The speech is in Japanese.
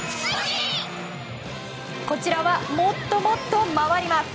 こちらはもっともっと回ります。